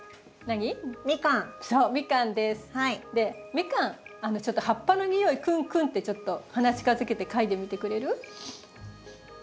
ミカンちょっと葉っぱの匂いクンクンってちょっと鼻近づけて嗅いでみてくれる？